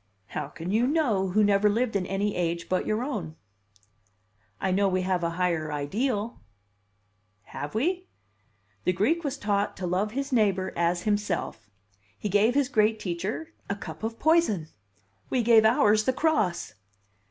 "How can you know, who never lived in any age but your own?" "I know we have a higher ideal." "Have we? The Greek was taught to love his neighbor as himself. He gave his great teacher a cup of poison. We gave ours the cross."